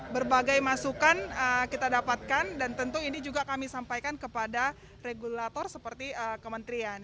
berbagai masukan kita dapatkan dan tentu ini juga kami sampaikan kepada regulator seperti kementerian